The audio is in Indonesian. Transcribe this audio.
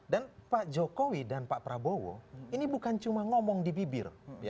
dan pak jokowi dan pak prabowo ini bukan cuma ngomong di bibir